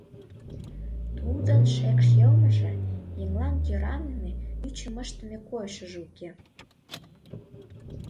Тудын шекш йылмыже, еҥлан кӧраныме, ӱчым ыштыме койышыжо уке.